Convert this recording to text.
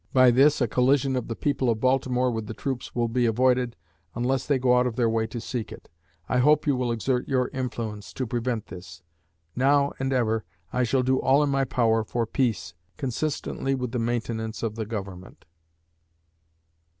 By this, a collision of the people of Baltimore with the troops will be avoided, unless they go out of their way to seek it. I hope you will exert your influence to prevent this. Now and ever, I shall do all in my power for peace, consistently with the maintenance of the Government."